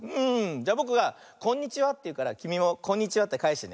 じゃあぼくが「こんにちは」っていうからきみも「こんにちは」ってかえしてね。